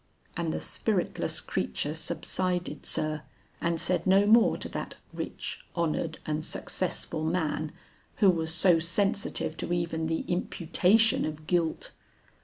And the spiritless creature subsided, sir, and said no more to that rich, honored, and successful man who was so sensitive to even the imputation of guilt.